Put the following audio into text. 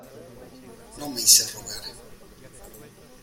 no me hice rogar.